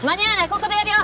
ここでやるよ！